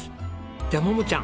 じゃあ桃ちゃん。